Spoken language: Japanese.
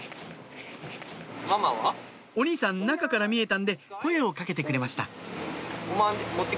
お兄さん中から見えたんで声をかけてくれました